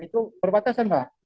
itu perbatasan pak